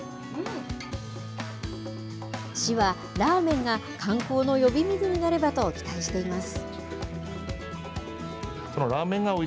市は、ラーメンが観光の呼び水になればと期待しています。